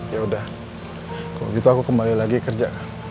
ya udah kalau gitu aku kembali lagi kerja